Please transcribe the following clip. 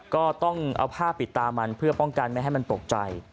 ก็ต้องเอาผ้าปิดตามันเพื่อป้องกันไม่ให้มันตกใจ